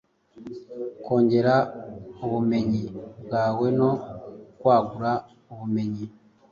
kongera ubumenyi bwawe no kwagura ubumenyi